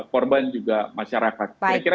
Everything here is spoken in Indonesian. korban juga masyarakat